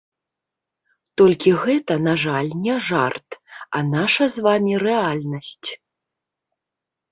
Толькі гэта, на жаль, не жарт, а наша з вамі рэальнасць.